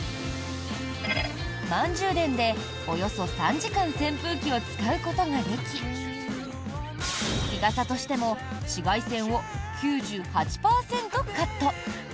満充電でおよそ３時間扇風機を使うことができ日傘としても紫外線を９８％カット。